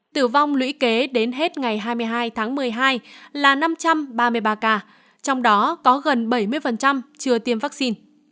tử vong lũy kế đến hết ngày hai mươi hai tháng một mươi hai là năm trăm ba mươi ba ca trong đó có gần bảy mươi chưa tiêm vaccine